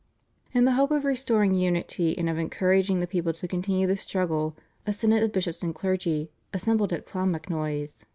In the hope of restoring unity and of encouraging the people to continue the struggle a synod of the bishops and clergy assembled at Clonmacnoise (Dec.